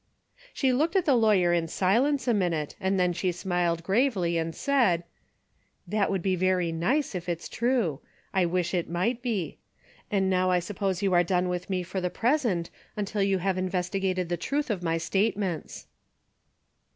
She looked at the lawyer in silence a minute and then she smiled gravely and said : "That would be very nice if it's true. I 46 A DAILY rate:' wish it might be. And now I suppose you are done with me for the present, until you have investigated the truth of my statements."